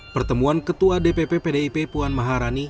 pertemuan ketua dpp pdip puan maharani